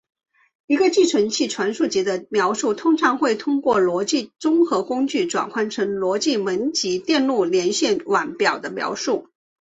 一个寄存器传输级的描述通常会通过逻辑综合工具转换成逻辑门级电路连线网表的描述。